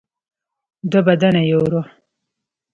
دوه بدن یو روح.